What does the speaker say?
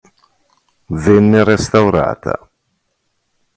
Venne restaurata.